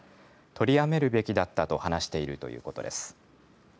取りやめるべきだったと話しているということです。